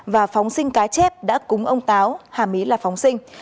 và phóng sinh cá chép đã cúng ông táo hàm ý là phóng sinh